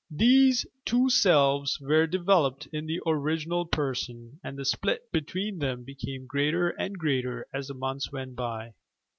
These two selves were developed in the original person, and the split between them became greater and greater as the months went by.